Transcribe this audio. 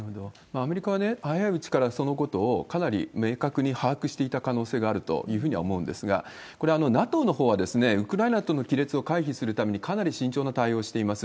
アメリカはそのことをかなり明確に把握していた可能性があるというふうには思うんですが、これ、ＮＡＴＯのほうは、ウクライナとの亀裂を回避するために、かなり慎重な対応をしています。